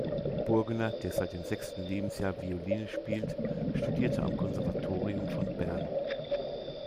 Burgener, der seit dem sechsten Lebensjahr Violine spielt, studierte am Konservatorium von Bern.